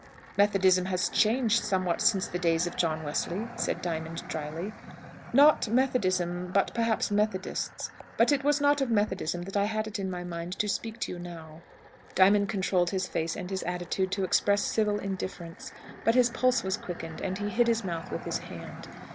'" "Methodism has changed somewhat since the days of John Wesley," said Diamond, drily. "Not Methodism, but perhaps Methodists. But it was not of Methodism that I had it on my mind to speak to you now." Diamond controlled his face and his attitude to express civil indifference; but his pulse was quickened, and he hid his mouth with his hand.